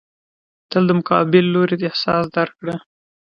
تل د مقابل لوري احساس درک کړه.